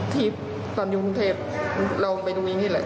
ที่ตอนอยู่กรุงเทพเราไปดูอย่างนี้แหละ